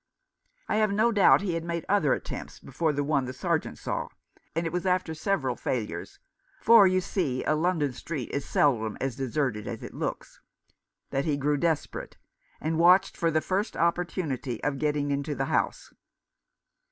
I have no doubt he had made other attempts before the one the Sergeant saw, and that it was after several failures — for, you see, a London street is seldom as deserted as it looks — that he grew desperate, and watched for the first opportunity of getting into the house.